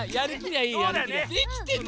できてた？